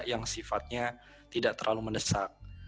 yang sifatnya tidak terlalu mendesak